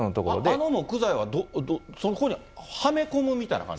あの木材はそこにはめ込むみたいな感じ？